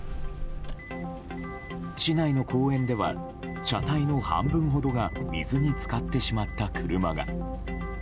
市内の公園では車体の半分ほどが水に浸かってしまった車が。